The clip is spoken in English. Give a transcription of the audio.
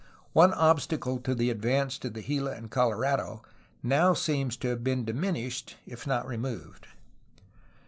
One obstacle to the advance to the Gila and Colorado now seemed to have been diminished if not removed.